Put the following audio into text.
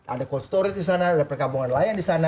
ada cold storage disana ada perkabungan nelayan disana